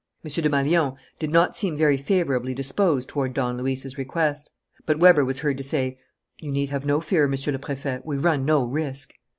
M. Desmalions did not seem very favourably disposed toward Don Luis's request. But Weber was heard to say: "You need have no fear, Monsieur le Préfet. We run no risk."